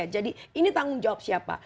jadi ini tanggung jawab siapa